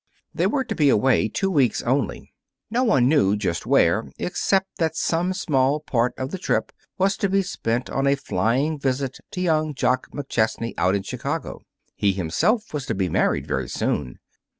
They were to be away two weeks only. No one knew just where, except that some small part of the trip was to be spent on a flying visit to young Jock McChesney out in Chicago. He himself was to be married very soon.